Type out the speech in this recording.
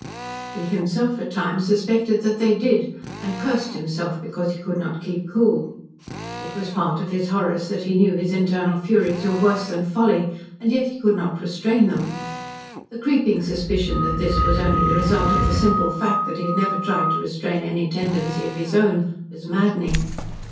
He himself, at times, suspected that they did, and cursed himself because he could not keep cool. It was part of his horrors that he knew his internal furies were worse than folly, and yet he could not restrain them. The creeping suspicion that this was only the result of the simple fact that he had never tried to restrain any tendency of his own was maddening.